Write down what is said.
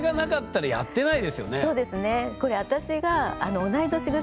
そうですね。